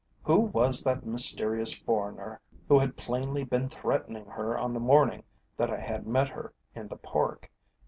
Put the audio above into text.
Who was that mysterious foreigner who had plainly been threatening her on the morning that I had met her in the Park?